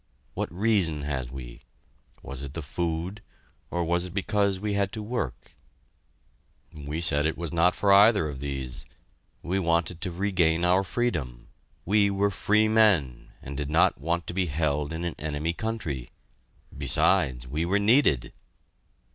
"What reason had we? Was it the food, or was it because we had to work?" [Illustration: Friedrichsfeld Prison Camp in Winter] We said it was not for either of these; we wanted to regain our freedom; we were free men, and did not want to be held in an enemy country; besides, we were needed!